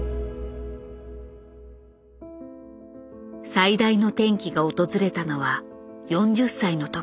最大の転機が訪れたのは４０歳の時。